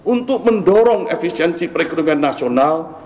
untuk mendorong efisiensi perekonomian nasional